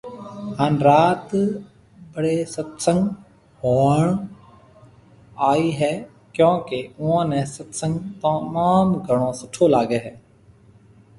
هان رات بڙي ست سنگ ۿڻڻ آوي هي ڪيونڪي اوئون ني ست سنگ تموم گھڻو سٺو لاگي هي